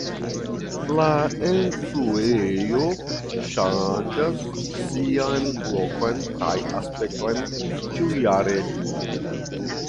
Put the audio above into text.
La enfluejo ŝanĝas sian lokon kaj aspekton ĉiujare.